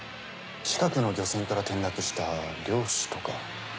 近くの漁船から転落した漁師とか？